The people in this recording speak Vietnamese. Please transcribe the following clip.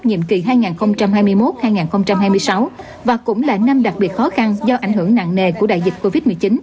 nhiệm kỳ hai nghìn hai mươi một hai nghìn hai mươi sáu và cũng là năm đặc biệt khó khăn do ảnh hưởng nặng nề của đại dịch covid một mươi chín